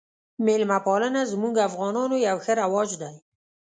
میلمه پالنه زموږ افغانانو یو ښه رواج دی